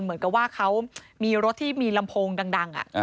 เหมือนกับว่าเขามีรถที่มีลำโพงดัง